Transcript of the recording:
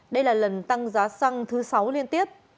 đây là lần tăng giá xăng thứ sáu liên tiếp